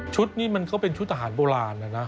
นี่มันก็เป็นชุดทหารโบราณนะนะ